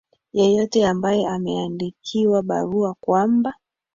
yeyote ambaye ameandikiwa barua kwamba